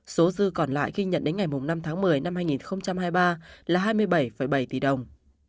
số dư còn lại ghi nhận đến ngày năm tháng một mươi năm hai nghìn hai mươi ba là hai mươi bảy bảy tỷ đồng